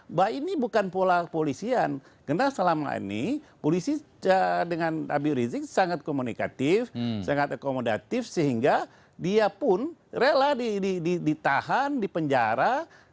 mbak ini bukan pola polisian karena selama ini polisi dengan habib rizik sangat komunikatif sangat akomodatif sehingga dia pun rela ditahan dipenjara